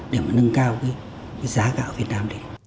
để mà nâng cao giá gạo việt nam